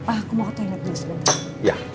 ah aku mau ke toilet dulu sebentar